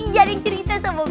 jadinya cerita sama gue